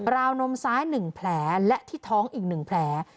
วนมซ้าย๑แผลและที่ท้องอีก๑แผล